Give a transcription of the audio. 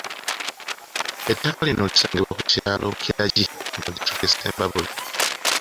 Ettaka lino lisangibwa ku kyalo Bukiragyi mu disitulikiti y'e Ssembabule.